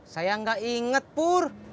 saya enggak inget pur